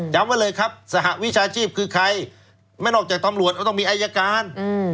ไว้เลยครับสหวิชาชีพคือใครไม่นอกจากตำรวจเราต้องมีอายการ